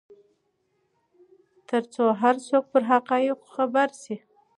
ترڅو هر څوک پر حقایقو خبر شي.